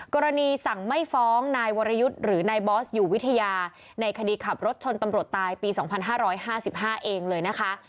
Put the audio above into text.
กรณีสั่งไม่ฟ้องนายวรยุทธ์หรือนายบอสอยู่วิทยาในคดีขับรถชนตำรวจตายปี๒๕๕๕เองเลยนะคะ